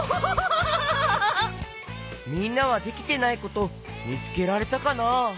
みんなはできてないことみつけられたかな？